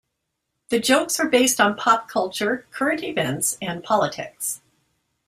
The jokes are based on pop culture, current events, and politics.